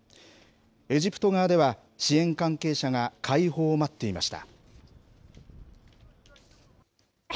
エジプト側では支援関係者が解放を待っていました。